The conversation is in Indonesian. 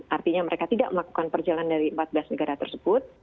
artinya mereka tidak melakukan perjalanan dari empat belas negara tersebut